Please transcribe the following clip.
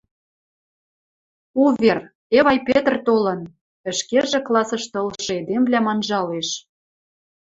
— Увер: Эвай Петр толын! — ӹшкежӹ классышты ылшы эдемвлӓм анжалеш.